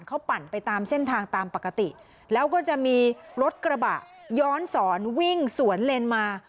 เขาปั่นไปตามเส้นทางตามปกติแล้วก็จะมีรถกระบะย้อนสอนวิ่งสวนเลนมา